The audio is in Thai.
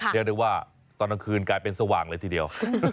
เรียกได้ว่าตอนกลางคืนกลายเป็นสว่างเลยทีเดียว